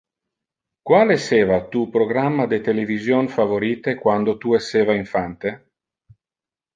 Qual esseva tu programma de television favorite quando tu esseva infante?